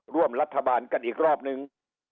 ร่วมรัฐบาลกันอีกรอบนึง